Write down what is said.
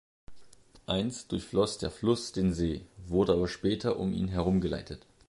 Einst durchfloss der Fluss den See, wurde aber später um ihn herumgeleitet.